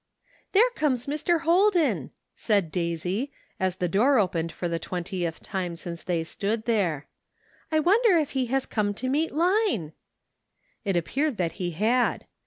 "There comes Mr. Holden," said Daisy, as the door opened for the twentieth time since they stood there. "I wonder if he has come to meet Line?" It appeared that he had.